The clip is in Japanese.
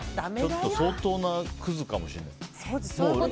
相当なクズかもしれない。